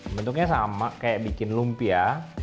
bentuknya sama kayak bikin lumpia